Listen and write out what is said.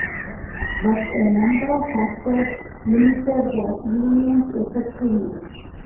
But a number of factors limited the union's effectiveness.